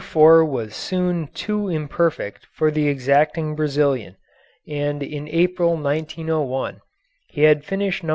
4 was soon too imperfect for the exacting Brazilian, and in April, 1901, he had finished No.